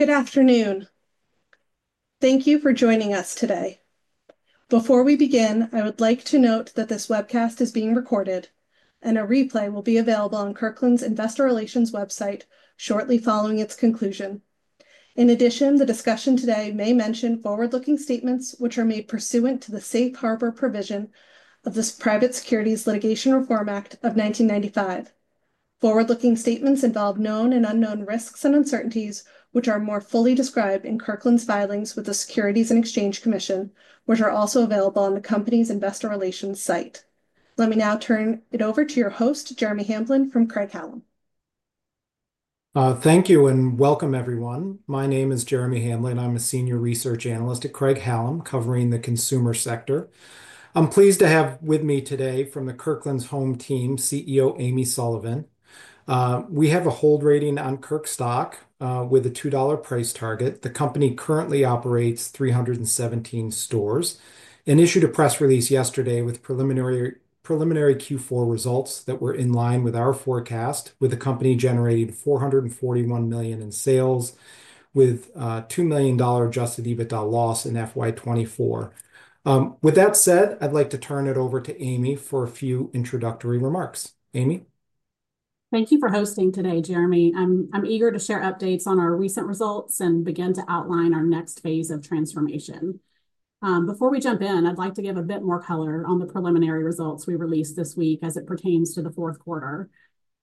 Good afternoon. Thank you for joining us today. Before we begin, I would like to note that this webcast is being recorded, and a replay will be available on Kirkland's investor relations website shortly following its conclusion. In addition, the discussion today may mention forward-looking statements which are made pursuant to the safe harbor provision of the Private Securities Litigation Reform Act of 1995. Forward-looking statements involve known and unknown risks and uncertainties, which are more fully described in Kirkland's filings with the Securities and Exchange Commission, which are also available on the company's investor relations site. Let me now turn it over to your host, Jeremy Hamblin, from Craig-Hallum. Thank you and welcome, everyone. My name is Jeremy Hamblin. I'm a senior research analyst at Craig-Hallum, covering the consumer sector. I'm pleased to have with me today, from the Kirkland's Home team, CEO Amy Sullivan. We have a hold rating on KIRK stock with a $2 price target. The company currently operates 317 stores. An issue to press release yesterday with preliminary Q4 results that were in line with our forecast, with the company generating $441 million in sales, with a $2 million Adjusted EBITDA loss in FY 2024. With that said, I'd like to turn it over to Amy for a few introductory remarks. Amy? Thank you for hosting today, Jeremy. I'm eager to share updates on our recent results and begin to outline our next phase of transformation. Before we jump in, I'd like to give a bit more color on the preliminary results we released this week as it pertains to the fourth quarter.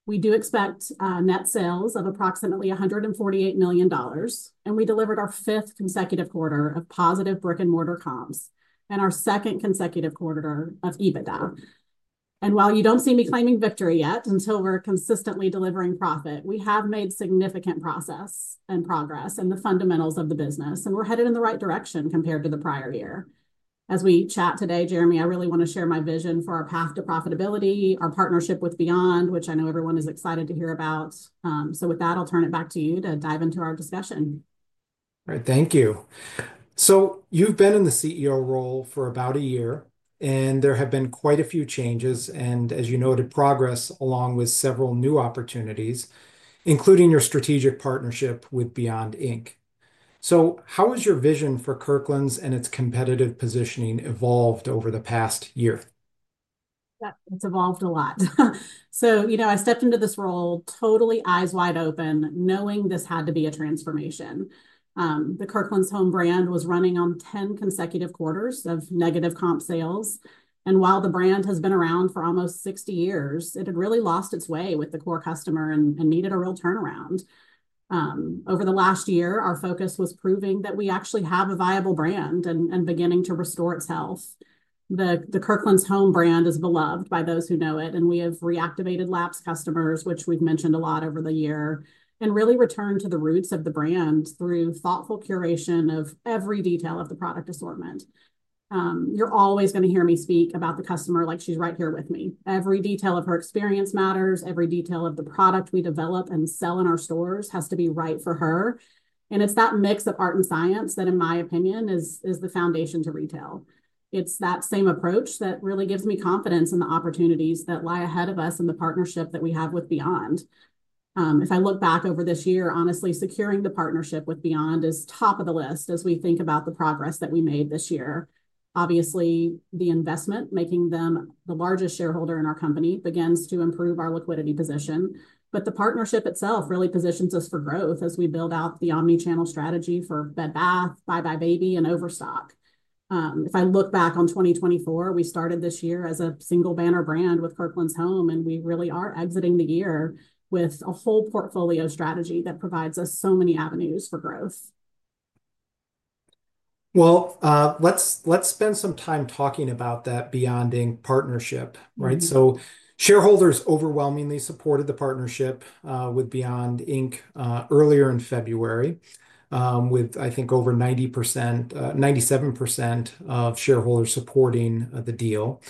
We do expect net sales of approximately $148 million, and we delivered our fifth consecutive quarter of positive brick-and-mortar comps and our second consecutive quarter of EBITDA. While you don't see me claiming victory yet, until we're consistently delivering profit, we have made significant process and progress in the fundamentals of the business, and we're headed in the right direction compared to the prior year. As we chat today, Jeremy, I really want to share my vision for our path to profitability, our partnership with Beyond, which I know everyone is excited to hear about. With that, I'll turn it back to you to dive into our discussion. All right, thank you. You have been in the CEO role for about a year, and there have been quite a few changes and, as you noted, progress along with several new opportunities, including your strategic partnership with Beyond, Inc. How has your vision for Kirkland's and its competitive positioning evolved over the past year? It's evolved a lot. You know I stepped into this role totally eyes wide open, knowing this had to be a transformation. The Kirkland's Home brand was running on 10 consecutive quarters of negative comp sales, and while the brand has been around for almost 60 years, it had really lost its way with the core customer and needed a real turnaround. Over the last year, our focus was proving that we actually have a viable brand and beginning to restore its health. The Kirkland's Home brand is beloved by those who know it, and we have reactivated lapsed customers, which we've mentioned a lot over the year, and really returned to the roots of the brand through thoughtful curation of every detail of the product assortment. You're always going to hear me speak about the customer like she's right here with me. Every detail of her experience matters. Every detail of the product we develop and sell in our stores has to be right for her. It's that mix of art and science that, in my opinion, is the foundation to retail. It's that same approach that really gives me confidence in the opportunities that lie ahead of us and the partnership that we have with Beyond. If I look back over this year, honestly, securing the partnership with Beyond is top of the list as we think about the progress that we made this year. Obviously, the investment, making them the largest shareholder in our company, begins to improve our liquidity position, but the partnership itself really positions us for growth as we build out the omnichannel strategy for Bed Bath, buybuy BABY, and Overstock. If I look back on 2024, we started this year as a single banner brand with Kirkland's Home, and we really are exiting the year with a whole portfolio strategy that provides us so many avenues for growth. Let's spend some time talking about that Beyond, Inc. partnership. Shareholders overwhelmingly supported the partnership with Beyond, Inc. earlier in February, with, I think, over 90%, 97% of shareholders supporting the deal.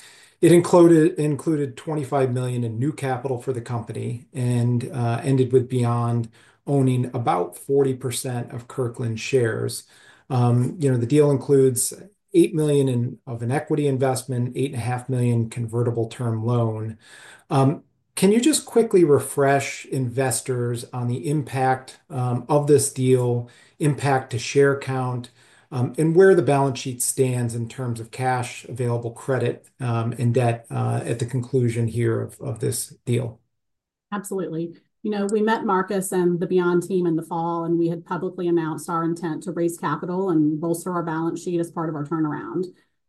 It included $25 million in new capital for the company and ended with Beyond owning about 40% of Kirkland's shares. The deal includes $8 million of an equity investment, $8.5 million convertible term loan. Can you just quickly refresh investors on the impact of this deal, impact to share count, and where the balance sheet stands in terms of cash, available credit, and debt at the conclusion here of this deal? Absolutely. You know we met Marcus and the Beyond team in the fall, and we had publicly announced our intent to raise capital and bolster our balance sheet as part of our turnaround.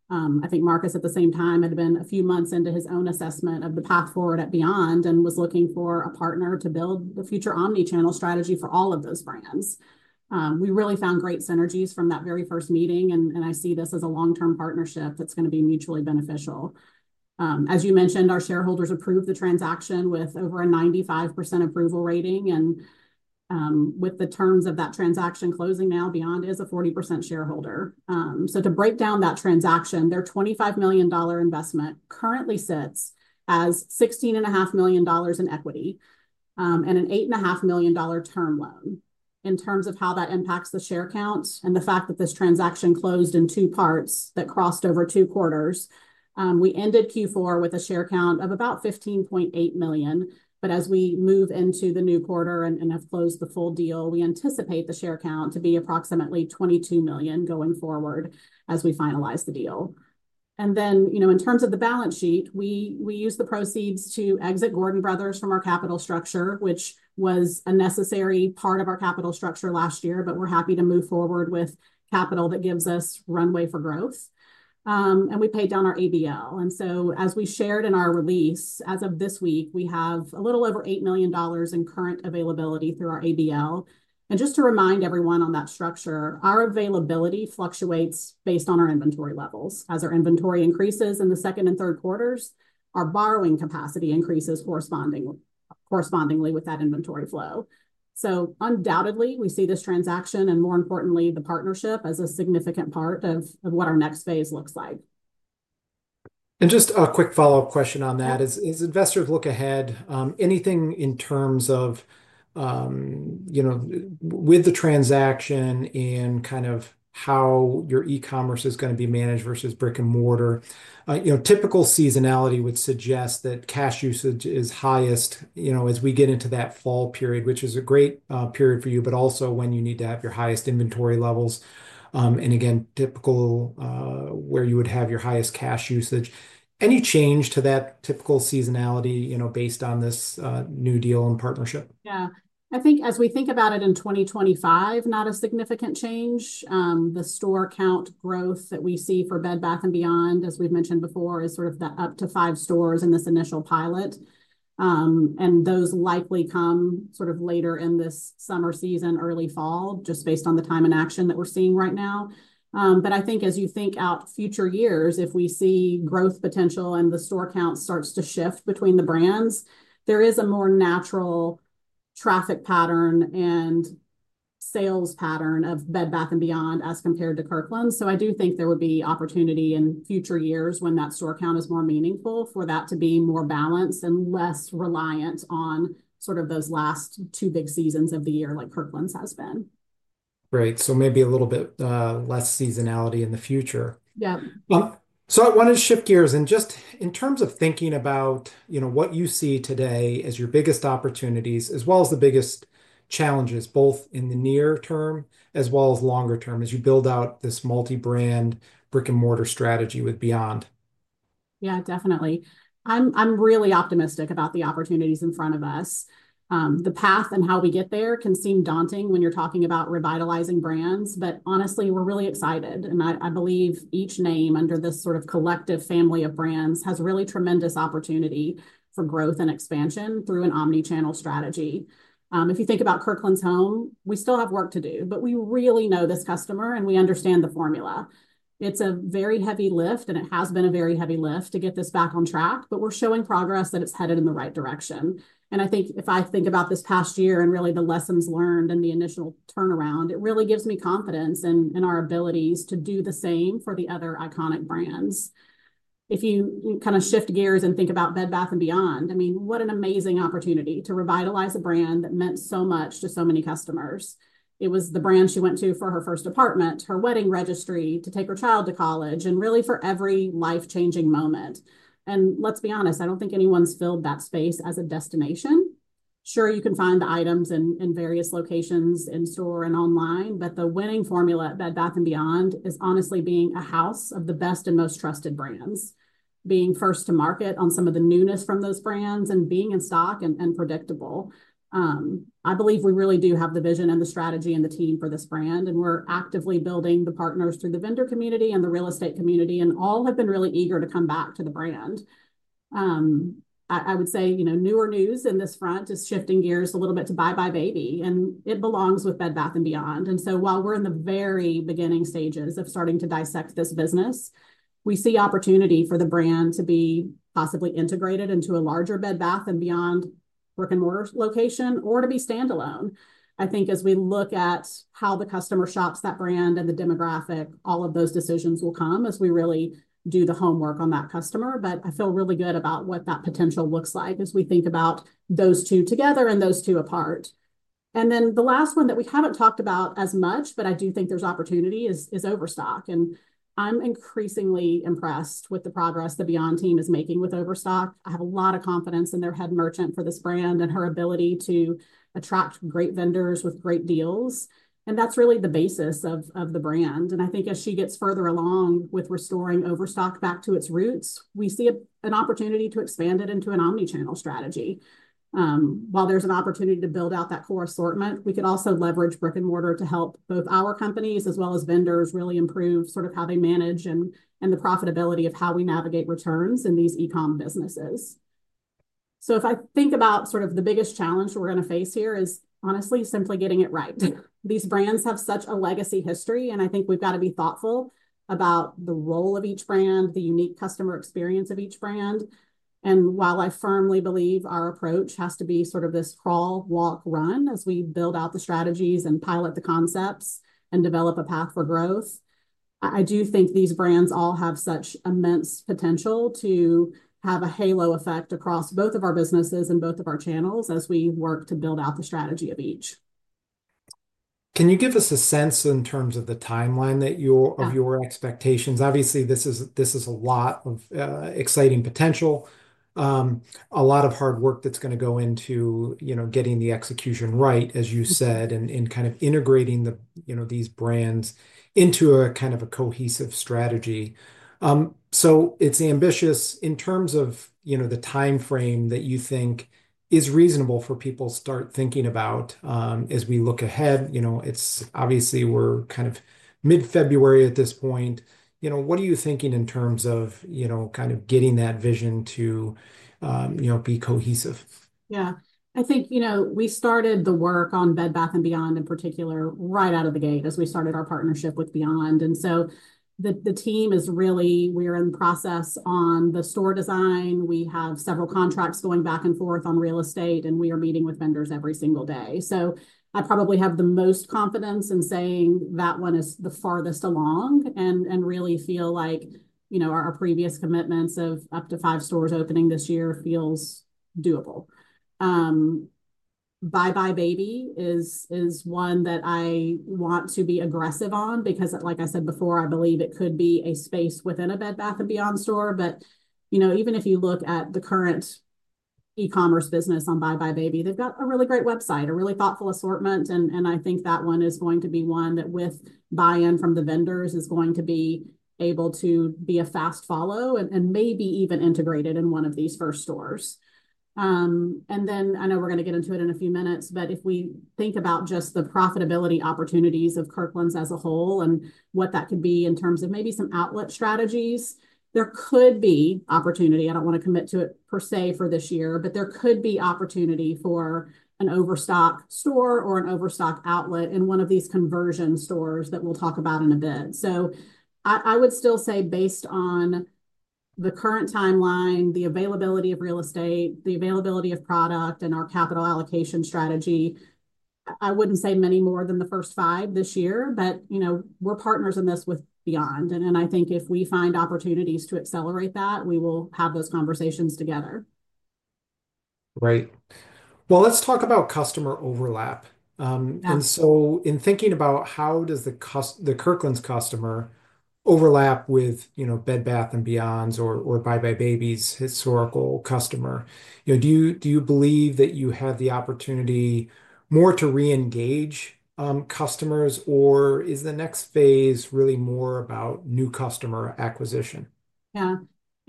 I think Marcus, at the same time, had been a few months into his own assessment of the path forward at Beyond and was looking for a partner to build the future omnichannel strategy for all of those brands. We really found great synergies from that very first meeting, and I see this as a long-term partnership that's going to be mutually beneficial. As you mentioned, our shareholders approved the transaction with over a 95% approval rating, and with the terms of that transaction closing now, Beyond is a 40% shareholder. To break down that transaction, their $25 million investment currently sits as $16.5 million in equity and an $8.5 million term loan. In terms of how that impacts the share count and the fact that this transaction closed in two parts that crossed over two quarters, we ended Q4 with a share count of about 15.8 million, but as we move into the new quarter and have closed the full deal, we anticipate the share count to be approximately 22 million going forward as we finalize the deal. In terms of the balance sheet, we used the proceeds to exit Gordon Brothers from our capital structure, which was a necessary part of our capital structure last year, but we're happy to move forward with capital that gives us runway for growth. We paid down our ABL. As we shared in our release, as of this week, we have a little over $8 million in current availability through our ABL. Just to remind everyone on that structure, our availability fluctuates based on our inventory levels. As our inventory increases in the second and third quarters, our borrowing capacity increases correspondingly with that inventory flow. Undoubtedly, we see this transaction and, more importantly, the partnership as a significant part of what our next phase looks like. Just a quick follow-up question on that. As investors look ahead, anything in terms of with the transaction and kind of how your e-commerce is going to be managed versus brick and mortar? Typical seasonality would suggest that cash usage is highest as we get into that fall period, which is a great period for you, but also when you need to have your highest inventory levels. Typical where you would have your highest cash usage. Any change to that typical seasonality based on this new deal and partnership? Yeah. I think as we think about it in 2025, not a significant change. The store count growth that we see for Bed Bath & Beyond, as we've mentioned before, is sort of the up to five stores in this initial pilot. Those likely come later in this summer season, early fall, just based on the time and action that we're seeing right now. I think as you think out future years, if we see growth potential and the store count starts to shift between the brands, there is a more natural traffic pattern and sales pattern of Bed Bath & Beyond as compared to Kirkland's. I do think there would be opportunity in future years when that store count is more meaningful for that to be more balanced and less reliant on sort of those last two big seasons of the year like Kirkland's has been. Right. So maybe a little bit less seasonality in the future. Yeah. I want to shift gears. Just in terms of thinking about what you see today as your biggest opportunities, as well as the biggest challenges, both in the near term as well as longer term as you build out this multi-brand brick-and-mortar strategy with Beyond. Yeah, definitely. I'm really optimistic about the opportunities in front of us. The path and how we get there can seem daunting when you're talking about revitalizing brands, but honestly, we're really excited. I believe each name under this sort of collective family of brands has really tremendous opportunity for growth and expansion through an omnichannel strategy. If you think about Kirkland's Home, we still have work to do, but we really know this customer and we understand the formula. It's a very heavy lift, and it has been a very heavy lift to get this back on track, but we're showing progress that it's headed in the right direction. I think if I think about this past year and really the lessons learned and the initial turnaround, it really gives me confidence in our abilities to do the same for the other iconic brands. If you kind of shift gears and think about Bed Bath & Beyond, I mean, what an amazing opportunity to revitalize a brand that meant so much to so many customers. It was the brand she went to for her first apartment, her wedding registry to take her child to college, and really for every life-changing moment. Let's be honest, I don't think anyone's filled that space as a destination. Sure, you can find the items in various locations in store and online, but the winning formula at Bed Bath & Beyond is honestly being a house of the best and most trusted brands, being first to market on some of the newness from those brands, and being in stock and predictable. I believe we really do have the vision and the strategy and the team for this brand, and we're actively building the partners through the vendor community and the real estate community, and all have been really eager to come back to the brand. I would say newer news in this front is shifting gears a little bit to buybuy BABY, and it belongs with Bed Bath & Beyond. While we're in the very beginning stages of starting to dissect this business, we see opportunity for the brand to be possibly integrated into a larger Bed Bath & Beyond brick-and-mortar location or to be standalone. I think as we look at how the customer shops that brand and the demographic, all of those decisions will come as we really do the homework on that customer, but I feel really good about what that potential looks like as we think about those two together and those two apart. The last one that we haven't talked about as much, but I do think there's opportunity, is Overstock. I am increasingly impressed with the progress the Beyond team is making with Overstock. I have a lot of confidence in their head merchant for this brand and her ability to attract great vendors with great deals. That is really the basis of the brand. I think as she gets further along with restoring Overstock back to its roots, we see an opportunity to expand it into an omnichannel strategy. While there's an opportunity to build out that core assortment, we could also leverage brick-and-mortar to help both our companies as well as vendors really improve sort of how they manage and the profitability of how we navigate returns in these e-com businesses. If I think about sort of the biggest challenge we're going to face here is honestly simply getting it right. These brands have such a legacy history, and I think we've got to be thoughtful about the role of each brand, the unique customer experience of each brand. While I firmly believe our approach has to be sort of this crawl, walk, run as we build out the strategies and pilot the concepts and develop a path for growth, I do think these brands all have such immense potential to have a halo effect across both of our businesses and both of our channels as we work to build out the strategy of each. Can you give us a sense in terms of the timeline of your expectations? Obviously, this is a lot of exciting potential, a lot of hard work that's going to go into getting the execution right, as you said, and kind of integrating these brands into a kind of cohesive strategy. It is ambitious in terms of the time frame that you think is reasonable for people to start thinking about as we look ahead. Obviously, we're kind of mid-February at this point. What are you thinking in terms of kind of getting that vision to be cohesive? Yeah. I think we started the work on Bed Bath & Beyond in particular right out of the gate as we started our partnership with Beyond. The team is really we are in the process on the store design. We have several contracts going back and forth on real estate, and we are meeting with vendors every single day. I probably have the most confidence in saying that one is the farthest along and really feel like our previous commitments of up to five stores opening this year feels doable. buybuy BABY is one that I want to be aggressive on because, like I said before, I believe it could be a space within a Bed Bath & Beyond store. Even if you look at the current e-commerce business on buybuy BABY, they've got a really great website, a really thoughtful assortment, and I think that one is going to be one that with buy-in from the vendors is going to be able to be a fast follow and maybe even integrated in one of these first stores. I know we're going to get into it in a few minutes, but if we think about just the profitability opportunities of Kirkland's as a whole and what that could be in terms of maybe some outlet strategies, there could be opportunity. I don't want to commit to it per se for this year, but there could be opportunity for an Overstock store or an Overstock outlet in one of these conversion stores that we'll talk about in a bit. I would still say based on the current timeline, the availability of real estate, the availability of product, and our capital allocation strategy, I wouldn't say many more than the first five this year, but we're partners in this with Beyond. I think if we find opportunities to accelerate that, we will have those conversations together. Right. Let's talk about customer overlap. In thinking about how does the Kirkland's customer overlap with Bed Bath & Beyond's or buybuy BABY's historical customer, do you believe that you have the opportunity more to re-engage customers, or is the next phase really more about new customer acquisition? Yeah.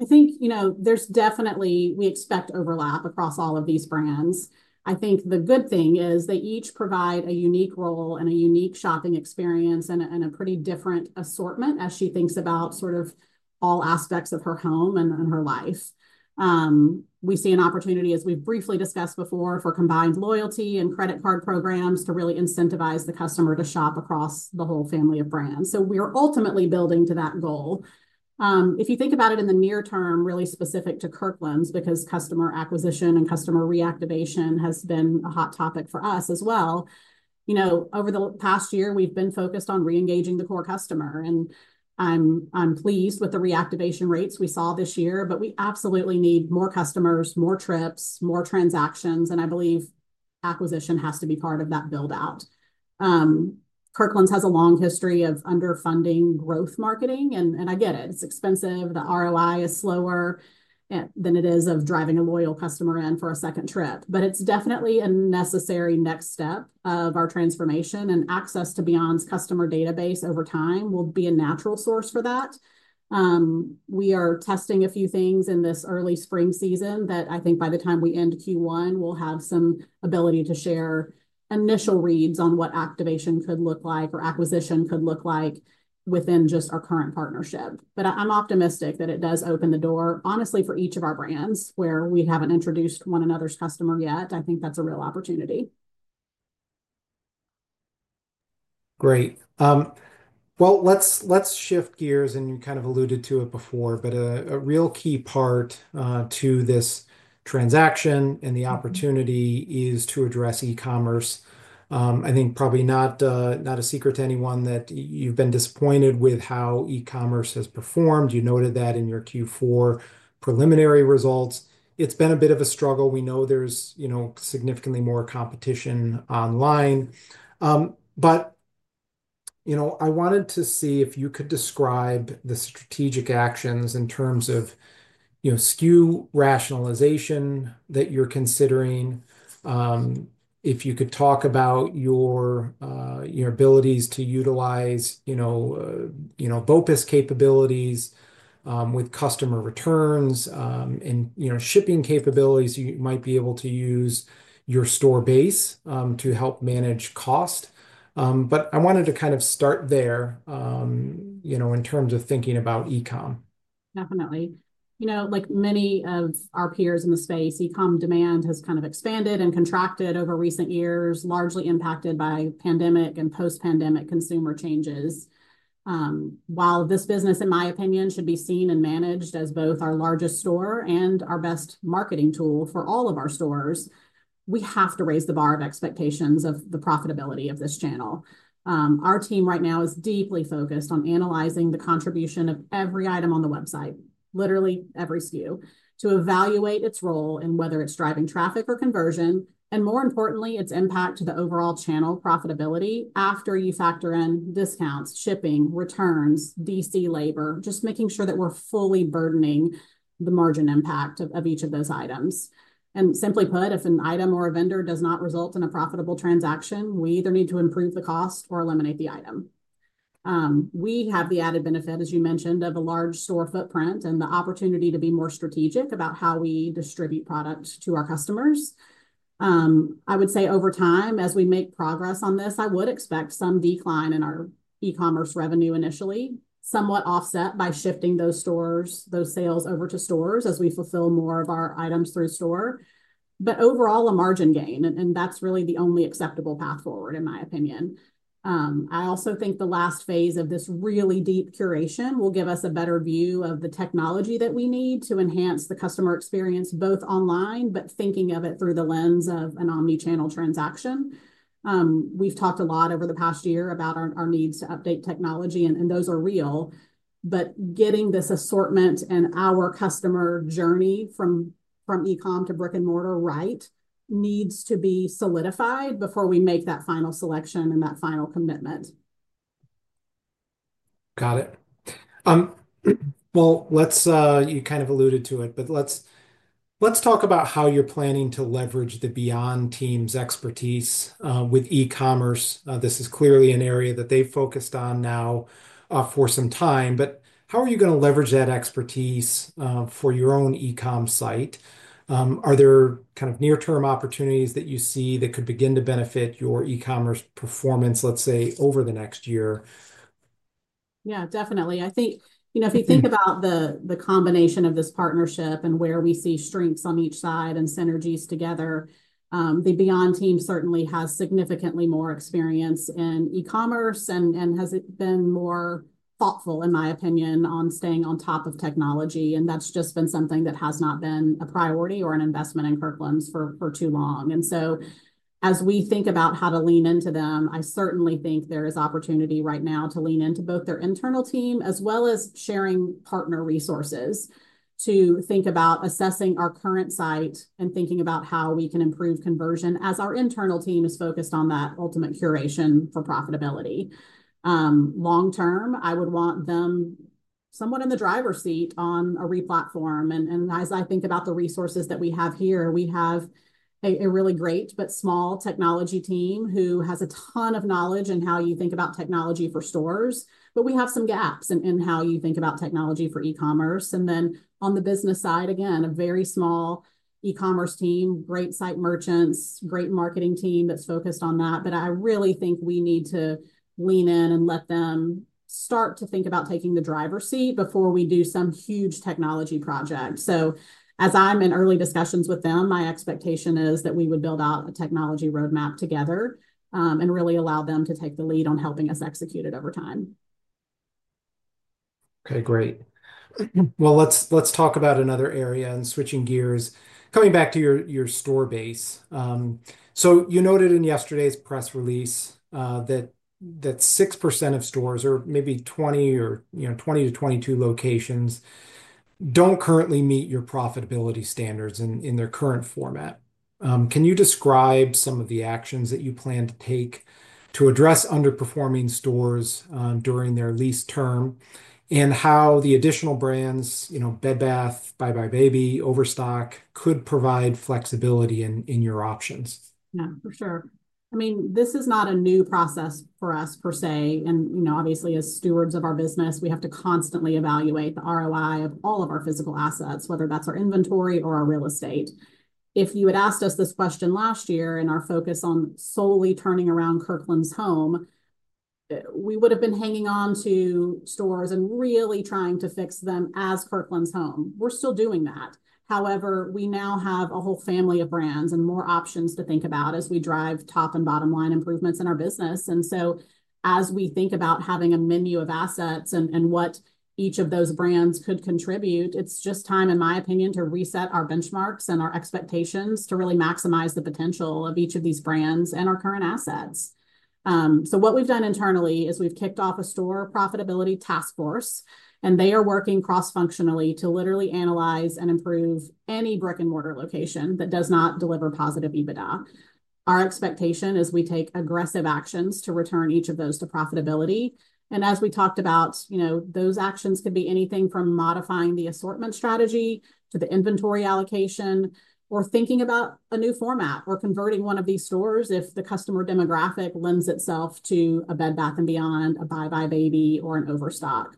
I think there's definitely, we expect overlap across all of these brands. I think the good thing is they each provide a unique role and a unique shopping experience and a pretty different assortment as she thinks about sort of all aspects of her home and her life. We see an opportunity, as we've briefly discussed before, for combined loyalty and credit card programs to really incentivize the customer to shop across the whole family of brands. We are ultimately building to that goal. If you think about it in the near term, really specific to Kirkland's because customer acquisition and customer reactivation has been a hot topic for us as well. Over the past year, we've been focused on re-engaging the core customer. I'm pleased with the reactivation rates we saw this year, but we absolutely need more customers, more trips, more transactions. I believe acquisition has to be part of that build-out. Kirkland's has a long history of underfunding growth marketing. I get it. It's expensive. The ROI is slower than it is of driving a loyal customer in for a second trip. It is definitely a necessary next step of our transformation. Access to Beyond's customer database over time will be a natural source for that. We are testing a few things in this early spring season that I think by the time we end Q1, we'll have some ability to share initial reads on what activation could look like or acquisition could look like within just our current partnership. I am optimistic that it does open the door, honestly, for each of our brands where we haven't introduced one another's customer yet. I think that's a real opportunity. Great. Let's shift gears. You kind of alluded to it before, but a real key part to this transaction and the opportunity is to address e-commerce. I think probably not a secret to anyone that you've been disappointed with how e-commerce has performed. You noted that in your Q4 preliminary results. It's been a bit of a struggle. We know there's significantly more competition online. I wanted to see if you could describe the strategic actions in terms of SKU rationalization that you're considering. If you could talk about your abilities to utilize BOPUS capabilities with customer returns and shipping capabilities, you might be able to use your store base to help manage cost. I wanted to kind of start there in terms of thinking about e-com. Definitely. Like many of our peers in the space, e-com demand has kind of expanded and contracted over recent years, largely impacted by pandemic and post-pandemic consumer changes. While this business, in my opinion, should be seen and managed as both our largest store and our best marketing tool for all of our stores, we have to raise the bar of expectations of the profitability of this channel. Our team right now is deeply focused on analyzing the contribution of every item on the website, literally every SKU, to evaluate its role and whether it's driving traffic or conversion, and more importantly, its impact to the overall channel profitability after you factor in discounts, shipping, returns, DC labor, just making sure that we're fully burdening the margin impact of each of those items. Simply put, if an item or a vendor does not result in a profitable transaction, we either need to improve the cost or eliminate the item. We have the added benefit, as you mentioned, of a large store footprint and the opportunity to be more strategic about how we distribute product to our customers. I would say over time, as we make progress on this, I would expect some decline in our e-commerce revenue initially, somewhat offset by shifting those sales over to stores as we fulfill more of our items through store, but overall a margin gain. That is really the only acceptable path forward, in my opinion. I also think the last phase of this really deep curation will give us a better view of the technology that we need to enhance the customer experience both online, but thinking of it through the lens of an omnichannel transaction. We've talked a lot over the past year about our needs to update technology, and those are real. Getting this assortment and our customer journey from e-commerce to brick and mortar right needs to be solidified before we make that final selection and that final commitment. Got it. You kind of alluded to it, but let's talk about how you're planning to leverage the Beyond team's expertise with e-commerce. This is clearly an area that they've focused on now for some time. How are you going to leverage that expertise for your own e-com site? Are there kind of near-term opportunities that you see that could begin to benefit your e-commerce performance, let's say, over the next year? Yeah, definitely. I think if you think about the combination of this partnership and where we see strengths on each side and synergies together, the Beyond team certainly has significantly more experience in e-commerce and has been more thoughtful, in my opinion, on staying on top of technology. That has just been something that has not been a priority or an investment in Kirkland's for too long. As we think about how to lean into them, I certainly think there is opportunity right now to lean into both their internal team as well as sharing partner resources to think about assessing our current site and thinking about how we can improve conversion as our internal team is focused on that ultimate curation for profitability. Long term, I would want them somewhat in the driver's seat on a replatform. As I think about the resources that we have here, we have a really great but small technology team who has a ton of knowledge in how you think about technology for stores, but we have some gaps in how you think about technology for e-commerce. On the business side, again, a very small e-commerce team, great site merchants, great marketing team that's focused on that. I really think we need to lean in and let them start to think about taking the driver's seat before we do some huge technology project. As I'm in early discussions with them, my expectation is that we would build out a technology roadmap together and really allow them to take the lead on helping us execute it over time. Okay, great. Let's talk about another area and switching gears. Coming back to your store base. You noted in yesterday's press release that 6% of stores or maybe 20 or 20-22 locations do not currently meet your profitability standards in their current format. Can you describe some of the actions that you plan to take to address underperforming stores during their lease term and how the additional brands, Bed Bath & Beyond, buybuy BABY, Overstock, could provide flexibility in your options? Yeah, for sure. I mean, this is not a new process for us per se. Obviously, as stewards of our business, we have to constantly evaluate the ROI of all of our physical assets, whether that's our inventory or our real estate. If you had asked us this question last year and our focus on solely turning around Kirkland's home, we would have been hanging on to stores and really trying to fix them as Kirkland's home. We're still doing that. However, we now have a whole family of brands and more options to think about as we drive top and bottom line improvements in our business. As we think about having a menu of assets and what each of those brands could contribute, it's just time, in my opinion, to reset our benchmarks and our expectations to really maximize the potential of each of these brands and our current assets. What we've done internally is we've kicked off a store profitability task force, and they are working cross-functionally to literally analyze and improve any brick and mortar location that does not deliver positive EBITDA. Our expectation is we take aggressive actions to return each of those to profitability. As we talked about, those actions could be anything from modifying the assortment strategy to the inventory allocation or thinking about a new format or converting one of these stores if the customer demographic lends itself to a Bed Bath & Beyond, a buybuy BABY, or an Overstock.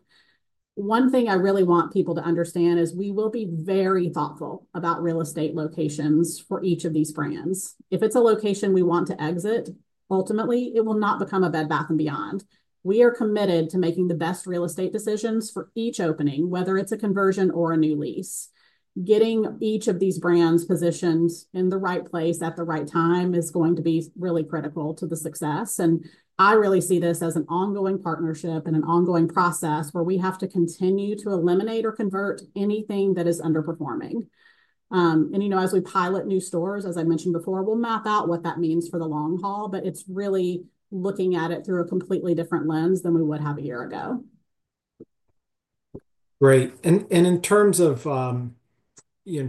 One thing I really want people to understand is we will be very thoughtful about real estate locations for each of these brands. If it's a location we want to exit, ultimately, it will not become a Bed Bath & Beyond. We are committed to making the best real estate decisions for each opening, whether it's a conversion or a new lease. Getting each of these brands positioned in the right place at the right time is going to be really critical to the success. I really see this as an ongoing partnership and an ongoing process where we have to continue to eliminate or convert anything that is underperforming. As we pilot new stores, as I mentioned before, we'll map out what that means for the long haul, but it's really looking at it through a completely different lens than we would have a year ago. Great. In terms of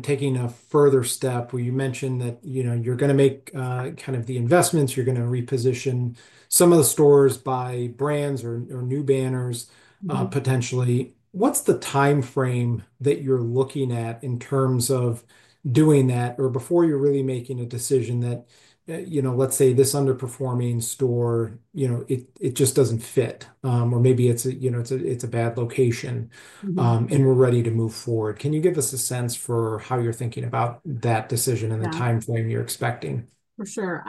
taking a further step, you mentioned that you're going to make kind of the investments. You're going to reposition some of the stores by brands or new banners potentially. What's the timeframe that you're looking at in terms of doing that or before you're really making a decision that, let's say, this underperforming store, it just doesn't fit or maybe it's a bad location and we're ready to move forward? Can you give us a sense for how you're thinking about that decision and the timeframe you're expecting? For sure.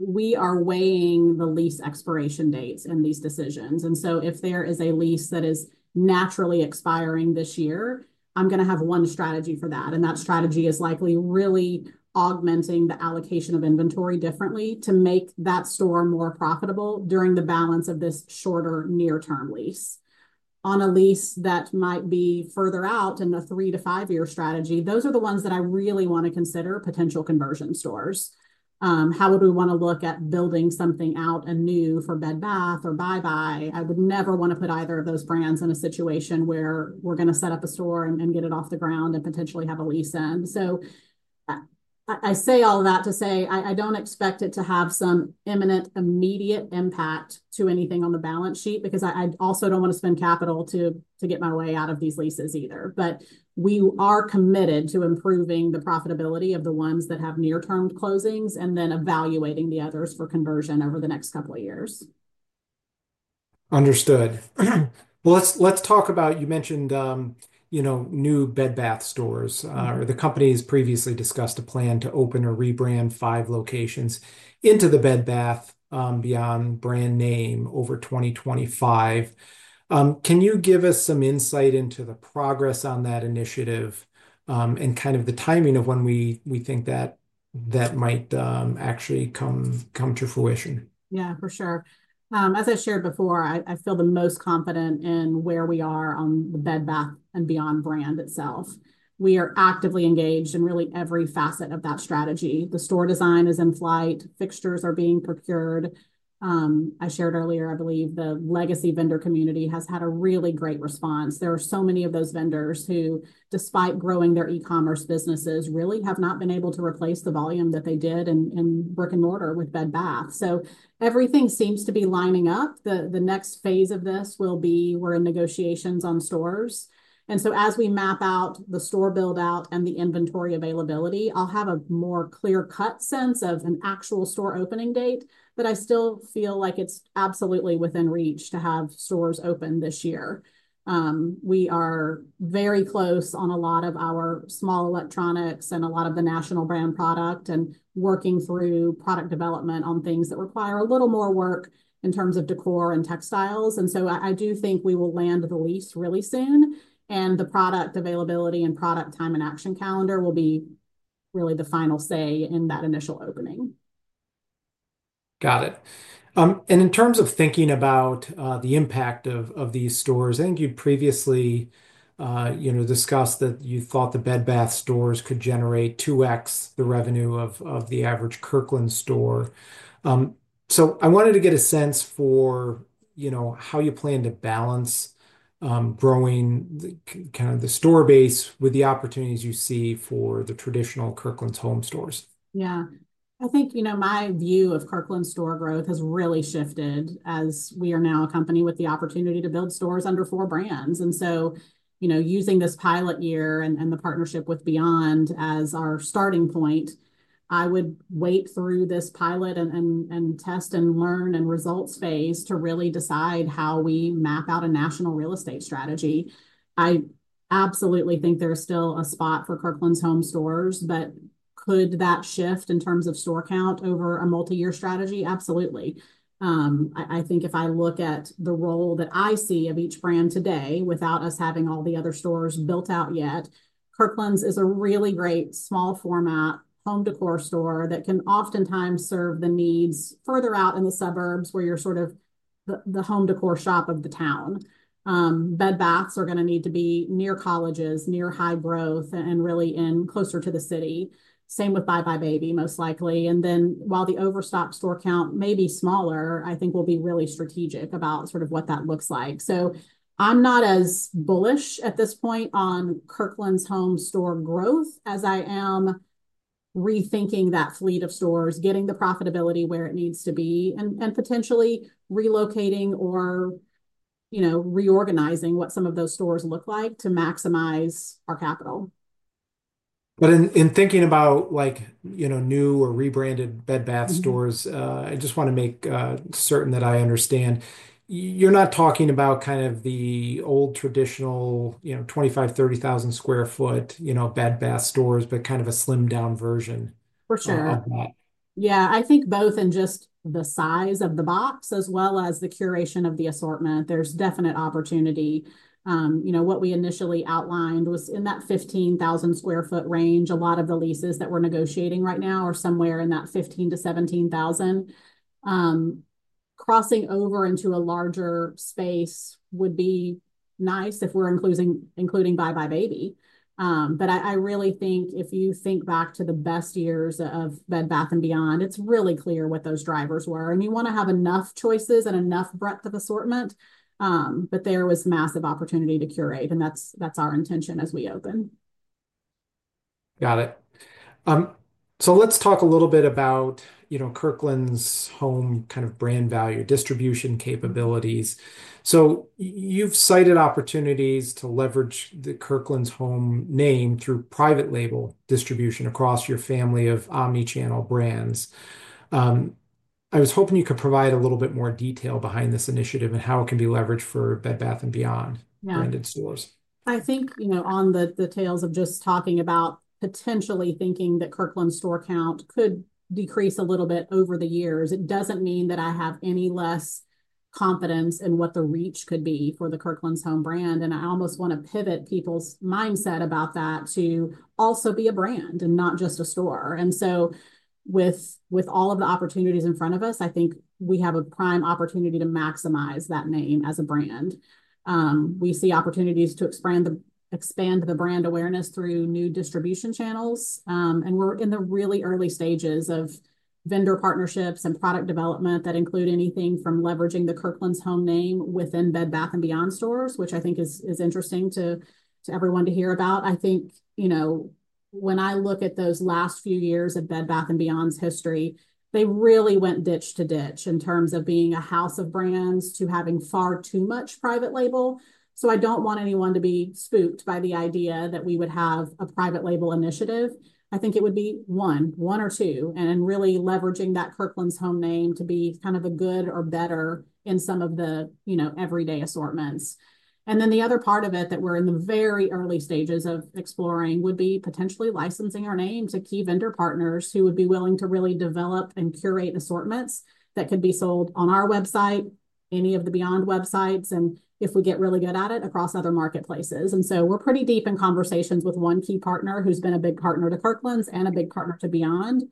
We are weighing the lease expiration dates in these decisions. If there is a lease that is naturally expiring this year, I'm going to have one strategy for that. That strategy is likely really augmenting the allocation of inventory differently to make that store more profitable during the balance of this shorter near-term lease. On a lease that might be further out in the three to five-year strategy, those are the ones that I really want to consider potential conversion stores. How would we want to look at building something out anew for Bed Bath or buybuy BABY? I would never want to put either of those brands in a situation where we're going to set up a store and get it off the ground and potentially have a lease end. I say all of that to say I don't expect it to have some imminent immediate impact to anything on the balance sheet because I also don't want to spend capital to get my way out of these leases either. We are committed to improving the profitability of the ones that have near-term closings and then evaluating the others for conversion over the next couple of years. Understood. Let's talk about you mentioned new Bed Bath stores. The company has previously discussed a plan to open or rebrand five locations into the Bed Bath & Beyond brand name over 2025. Can you give us some insight into the progress on that initiative and kind of the timing of when we think that might actually come to fruition? Yeah, for sure. As I shared before, I feel the most confident in where we are on the Bed Bath & Beyond brand itself. We are actively engaged in really every facet of that strategy. The store design is in flight. Fixtures are being procured. I shared earlier, I believe the legacy vendor community has had a really great response. There are so many of those vendors who, despite growing their e-commerce businesses, really have not been able to replace the volume that they did in brick and mortar with Bed Bath. Everything seems to be lining up. The next phase of this will be we're in negotiations on stores. As we map out the store build-out and the inventory availability, I'll have a more clear-cut sense of an actual store opening date. I still feel like it's absolutely within reach to have stores open this year. We are very close on a lot of our small electronics and a lot of the national brand product and working through product development on things that require a little more work in terms of decor and textiles. I do think we will land the lease really soon. The product availability and product time and action calendar will be really the final say in that initial opening. Got it. In terms of thinking about the impact of these stores, I think you previously discussed that you thought the Bed Bath stores could generate 2x the revenue of the average Kirkland's store. I wanted to get a sense for how you plan to balance growing kind of the store base with the opportunities you see for the traditional Kirkland's home stores. Yeah. I think my view of Kirkland's store growth has really shifted as we are now a company with the opportunity to build stores under four brands. Using this pilot year and the partnership with Beyond as our starting point, I would wait through this pilot and test and learn and results phase to really decide how we map out a national real estate strategy. I absolutely think there's still a spot for Kirkland's Home stores, but could that shift in terms of store count over a multi-year strategy? Absolutely. I think if I look at the role that I see of each brand today without us having all the other stores built out yet, Kirkland's is a really great small format home décor store that can oftentimes serve the needs further out in the suburbs where you're sort of the home décor shop of the town. Bed Baths are going to need to be near colleges, near high growth, and really closer to the city. Same with buybuy BABY, most likely. While the Overstock store count may be smaller, I think we'll be really strategic about sort of what that looks like. I'm not as bullish at this point on Kirkland's home store growth as I am rethinking that fleet of stores, getting the profitability where it needs to be, and potentially relocating or reorganizing what some of those stores look like to maximize our capital. In thinking about new or rebranded Bed Bath stores, I just want to make certain that I understand. You're not talking about kind of the old traditional 25,000-30,000 sq ft Bed Bath stores, but kind of a slimmed-down version of that. For sure. Yeah. I think both in just the size of the box as well as the curation of the assortment, there's definite opportunity. What we initially outlined was in that 15,000 sq ft range. A lot of the leases that we're negotiating right now are somewhere in that 15,000-17,000 sq ft. Crossing over into a larger space would be nice if we're including buybuy BABY. I really think if you think back to the best years of Bed Bath & Beyond, it's really clear what those drivers were. We want to have enough choices and enough breadth of assortment, but there was massive opportunity to curate. That's our intention as we open. Got it. Let's talk a little bit about Kirkland's home kind of brand value, distribution capabilities. You've cited opportunities to leverage the Kirkland's home name through private label distribution across your family of omnichannel brands. I was hoping you could provide a little bit more detail behind this initiative and how it can be leveraged for Bed Bath & Beyond branded stores. I think on the tails of just talking about potentially thinking that Kirkland's store count could decrease a little bit over the years, it doesn't mean that I have any less confidence in what the reach could be for the Kirkland's home brand. I almost want to pivot people's mindset about that to also be a brand and not just a store. With all of the opportunities in front of us, I think we have a prime opportunity to maximize that name as a brand. We see opportunities to expand the brand awareness through new distribution channels. We're in the really early stages of vendor partnerships and product development that include anything from leveraging the Kirkland's home name within Bed Bath & Beyond stores, which I think is interesting to everyone to hear about. I think when I look at those last few years of Bed Bath & Beyond's history, they really went ditch to ditch in terms of being a house of brands to having far too much private label. I do not want anyone to be spooked by the idea that we would have a private label initiative. I think it would be one, one or two, and really leveraging that Kirkland's home name to be kind of a good or better in some of the everyday assortments. The other part of it that we are in the very early stages of exploring would be potentially licensing our name to key vendor partners who would be willing to really develop and curate assortments that could be sold on our website, any of the Beyond websites, and if we get really good at it across other marketplaces. We're pretty deep in conversations with one key partner who's been a big partner to Kirkland's and a big partner to Beyond.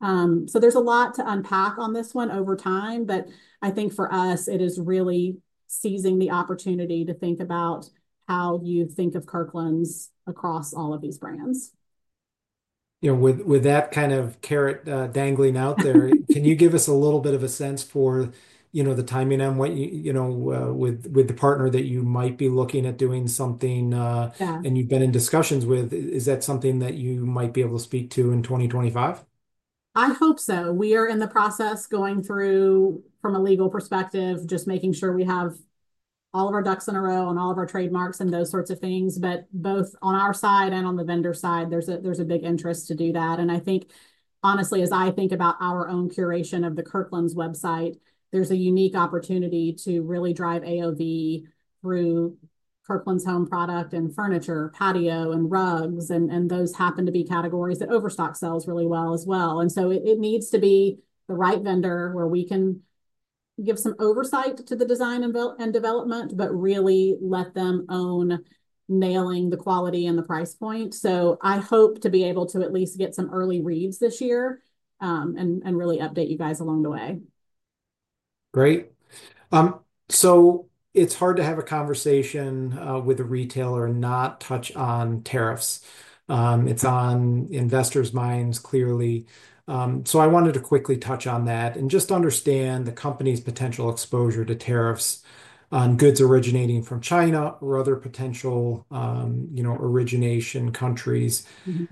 There's a lot to unpack on this one over time, but I think for us, it is really seizing the opportunity to think about how you think of Kirkland's across all of these brands. With that kind of carrot dangling out there, can you give us a little bit of a sense for the timing on what with the partner that you might be looking at doing something and you've been in discussions with? Is that something that you might be able to speak to in 2025? I hope so. We are in the process going through, from a legal perspective, just making sure we have all of our ducks in a row and all of our trademarks and those sorts of things. Both on our side and on the vendor side, there's a big interest to do that. Honestly, as I think about our own curation of the Kirkland's website, there's a unique opportunity to really drive AOV through Kirkland's Home product and furniture, patio, and rugs. Those happen to be categories that Overstock sells really well as well. It needs to be the right vendor where we can give some oversight to the design and development, but really let them own nailing the quality and the price point. I hope to be able to at least get some early reads this year and really update you guys along the way. Great. It's hard to have a conversation with a retailer and not touch on tariffs. It's on investors' minds clearly. I wanted to quickly touch on that and just understand the company's potential exposure to tariffs on goods originating from China or other potential origination countries,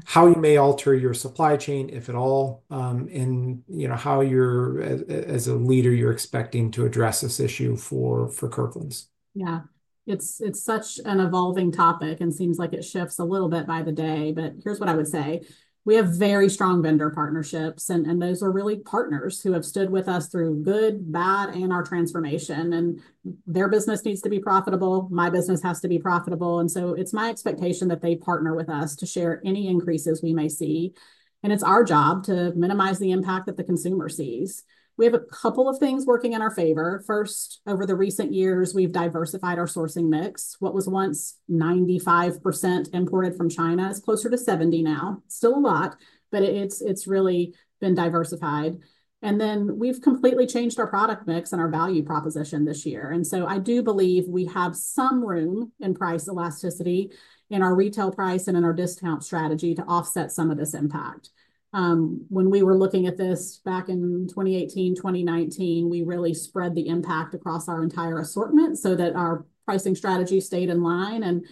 how you may alter your supply chain, if at all, and how, as a leader, you're expecting to address this issue for Kirkland's. Yeah. It's such an evolving topic and seems like it shifts a little bit by the day. Here's what I would say. We have very strong vendor partnerships, and those are really partners who have stood with us through good, bad, and our transformation. Their business needs to be profitable. My business has to be profitable. It's my expectation that they partner with us to share any increases we may see. It's our job to minimize the impact that the consumer sees. We have a couple of things working in our favor. First, over the recent years, we've diversified our sourcing mix. What was once 95% imported from China is closer to 70% now. Still a lot, but it's really been diversified. We've completely changed our product mix and our value proposition this year. I do believe we have some room in price elasticity in our retail price and in our discount strategy to offset some of this impact. When we were looking at this back in 2018, 2019, we really spread the impact across our entire assortment so that our pricing strategy stayed in line.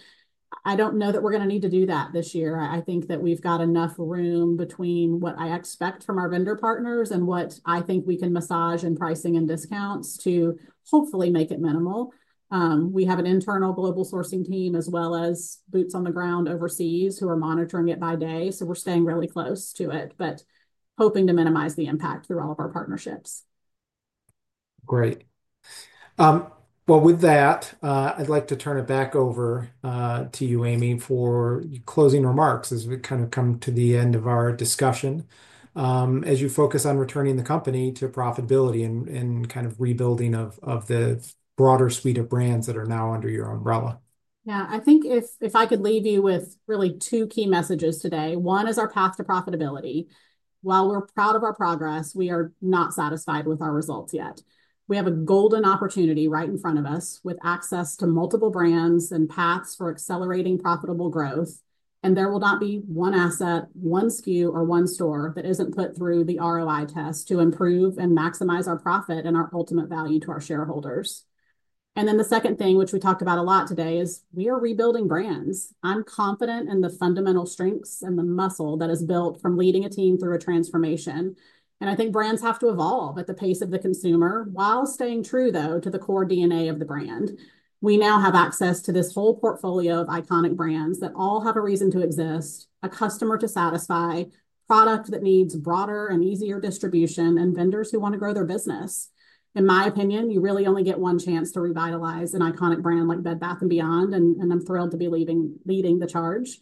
I do not know that we're going to need to do that this year. I think that we've got enough room between what I expect from our vendor partners and what I think we can massage in pricing and discounts to hopefully make it minimal. We have an internal global sourcing team as well as boots on the ground overseas who are monitoring it by day. We're staying really close to it, but hoping to minimize the impact through all of our partnerships. Great. With that, I'd like to turn it back over to you, Amy, for closing remarks as we kind of come to the end of our discussion as you focus on returning the company to profitability and kind of rebuilding of the broader suite of brands that are now under your umbrella. Yeah. I think if I could leave you with really two key messages today. One is our path to profitability. While we're proud of our progress, we are not satisfied with our results yet. We have a golden opportunity right in front of us with access to multiple brands and paths for accelerating profitable growth. There will not be one asset, one SKU, or one store that isn't put through the ROI test to improve and maximize our profit and our ultimate value to our shareholders. The second thing, which we talked about a lot today, is we are rebuilding brands. I'm confident in the fundamental strengths and the muscle that is built from leading a team through a transformation. I think brands have to evolve at the pace of the consumer while staying true, though, to the core DNA of the brand. We now have access to this whole portfolio of iconic brands that all have a reason to exist, a customer to satisfy, product that needs broader and easier distribution, and vendors who want to grow their business. In my opinion, you really only get one chance to revitalize an iconic brand like Bed Bath & Beyond, and I'm thrilled to be leading the charge.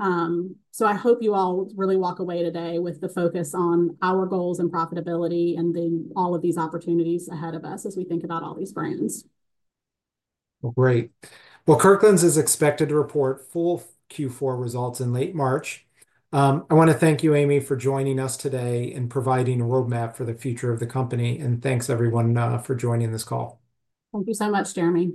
I hope you all really walk away today with the focus on our goals and profitability and all of these opportunities ahead of us as we think about all these brands. Great. Kirkland's is expected to report full Q4 results in late March. I want to thank you, Amy, for joining us today and providing a roadmap for the future of the company. Thanks, everyone, for joining this call. Thank you so much, Jeremy.